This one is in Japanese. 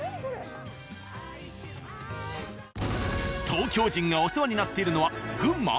東京人がお世話になっているのは群馬？